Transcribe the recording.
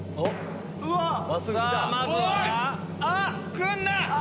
来んな！